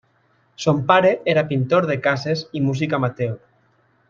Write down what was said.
Son pare era pintor de cases i músic amateur.